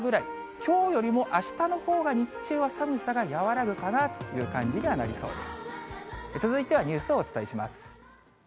きょうよりもあしたのほうが日中は寒さが和らぐかなという感じにはなりそうです。